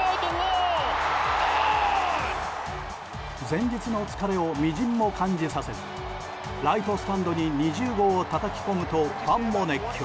前日の疲れを微塵も感じさせずライトスタンドに２０号をたたき込むとファンも熱狂。